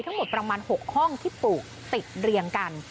ทั้งหมดประมาณ๖ห้องที่ปลูกติดเรียงกัน